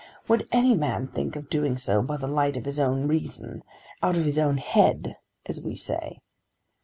Would any man think of doing so, by the light of his own reason, out of his own head as we say?